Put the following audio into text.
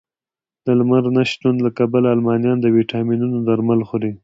د لمر نه شتون له کبله المانیان د ویټامینونو درمل خوري